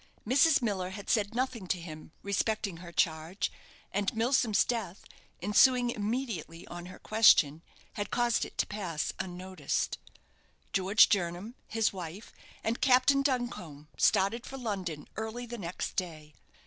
Mrs. Miller had said nothing to him respecting her charge, and Milsom's death, ensuing immediately on her question, had caused it to pass unnoticed. George Jernam, his wife, and Captain Duncombe started for London early the next day.